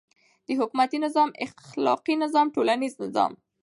. د حکومتی نظام، اخلاقی نظام، ټولنیز نظام